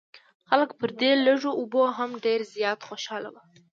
خلک پر دې لږو اوبو هم ډېر زیات خوشاله وو.